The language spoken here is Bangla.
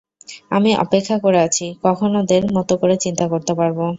আমি অপেক্ষা করে আছি, কখন ওদের মতো করে চিন্তা করতে পারব।